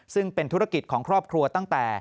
ซึ่งเป็นธุรกิจของครอบครัวตั้งแต่